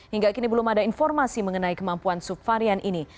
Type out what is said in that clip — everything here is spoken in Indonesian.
hingga kini belum ada informasi mengenai kemampuan subvarian ini